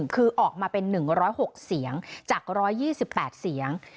คือออกมาเป็น๑๐๖เสียงจาก๑๒๘เสียง